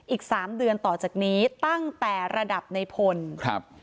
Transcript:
อีกสามเดือนต่อจากนี้ตั้งแต่ระดับในพลครับ